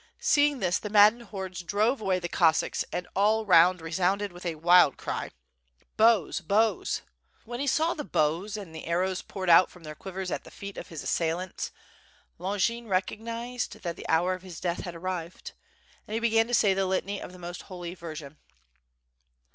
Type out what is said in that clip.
Seeing this the maddened hordes drove away the Cossacks and all round resounded a wild cry: Bow s, bows!" When he saw the bows, and the arrows poured out from their quivers at the feet of his assailants, Longin recognised that the hour of his death had arrived, and he began to say the litany of the most Holy Virgin.